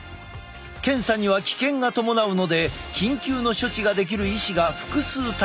検査には危険が伴うので緊急の処置ができる医師が複数待機する。